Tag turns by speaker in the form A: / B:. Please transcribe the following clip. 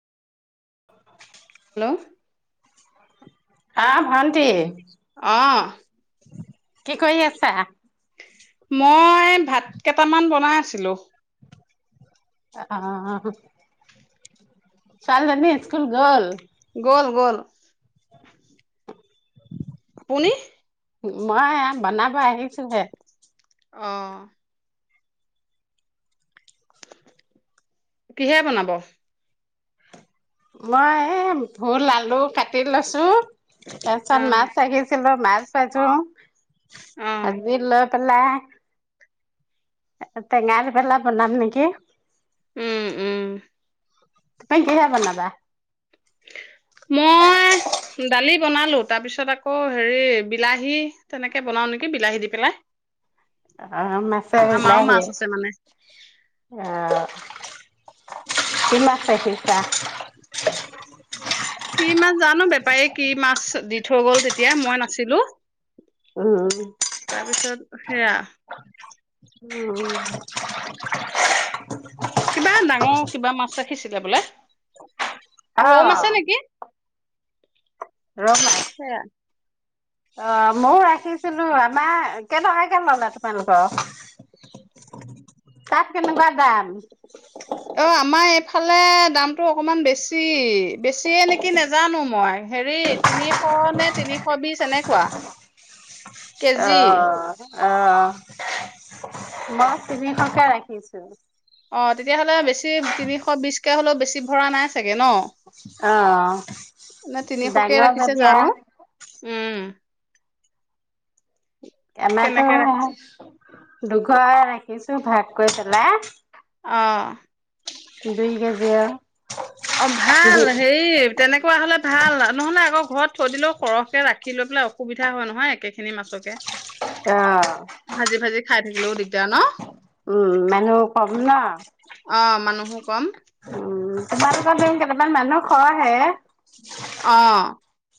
A: Hello!
B: অ ভাল।
A: আহ্
B: কি কৰি আছা?
A: মই ভাত কেটামান বনাই আছিলো।
B: এ‌ অ আহ্। ছোৱালীজনী স্কুল গ'ল?
A: গ'ল। গ'ল। আপুনি?
B: মই বনাব আহিছো হে।
A: অহ কিহেৰে বনাব?
B: মই এ ভুল আলু কাটি লৈছো। তাৰ পিছত মাছ ৰাখিছিলোঁ। মাছ ভাজো।
A: উম
B: [unintelligible] [unintelligible] টেঙা লগত বনাম নেকি!
A: উম উম
B: এতিয়া কিহে বনাবা?
A: মই দালি বনালো তাৰপিছত আকৌ হেৰি বিলাহী তেনেকে বনাও নেকি বিলাহী দি পেলাই।
B: অ মাচেৰে
A: আমাৰো
B: বিলাহী অ
A: মাছ আছে মানে
B: কি মাছ ৰাখিছা?
A: কি মাছ জানো, বেপাৰীয়ে কি মাছ দি থৈ গ'ল তেতিয়া মই নাছিলো।
B: উম
A: তাৰপিছত সেয়া
B: উম
A: কিবা ডাঙৰ কিবা মাছ ৰাখিছিলে বোলে?
B: অ
A: ৰৌ মাছে নেকি?
B: ৰৌ মাছ।
A: সেয়া
B: অ মইও ৰাখিছিলো আমাৰ কেইটকাকে পালা তোমালোকৰ? তাত কেনেকুৱা দাম?
A: অ আমাৰ ফালে দামতটো অকমান বেছি, বেছিয়ে নেকি নেজানো মই হেৰি তিনিশ নে তিনিশ বিছ এনেকুৱা।
B: অ
A: কেজি
B: অ অ মই তিনিশকে ৰাখিছো।
A: অ তেতিয়াহ'লে বেছি তিনিশ বিশকে হলেও বেছি ভৰা নাই চাগে ন?
B: অ
A: নে তিনিশকে
B: ডাঙৰ
A: ৰাখিছে
B: জাতীয়া
A: জানো উম
B: [unintelligible]
A: কেনেকে ৰাখিছে
B: দুঘৰে ৰাখিছো ভাগ কৰি পেলায়।
A: অহ
B: দুই কেজয়া [unintelligible]
A: অ ভাল হেৰি তেনেকুৱা হলে ভাল নহলে আকৌ ঘৰত থৈ দিলেও সৰহকে ৰাখি লৈ পেলাই অসুবিধা হয় নহয় একেখিনি মাছকে।
B: অহ
A: ভাজি ভাজি
B: ',
A: খাই থাকিলেও দিগদাৰ ন?
B: উম', মানুহ কম ন।
A: অ মানুহো কম
B: উম ', তোমালোকৰ কেইটামান মানুহ খহে।
A: অহ ',